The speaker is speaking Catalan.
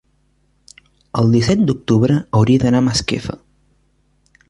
el disset d'octubre hauria d'anar a Masquefa.